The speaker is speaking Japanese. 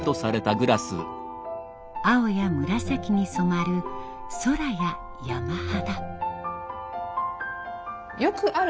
青や紫に染まる空や山肌。